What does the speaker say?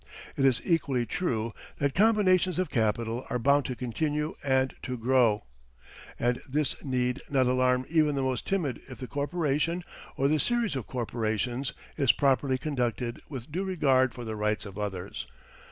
It is equally true that combinations of capital are bound to continue and to grow, and this need not alarm even the most timid if the corporation, or the series of corporations, is properly conducted with due regard for the rights of others.